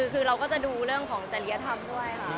คือเราก็จะดูเรื่องของจริยธรรมด้วยค่ะ